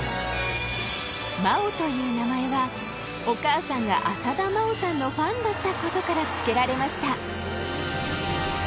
麻央という名前はお母さんが、浅田真央さんのファンだったことからつけられました。